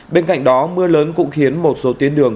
bên cạnh đó mưa lớn cũng khiến một số tuyến đường